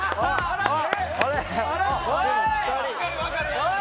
・おい！